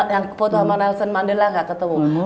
yang foto sama nelson mandela nggak ketemu